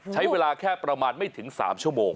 ใช้เวลาแค่ประมาณไม่ถึง๓ชั่วโมง